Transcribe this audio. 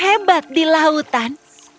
hebat di lautan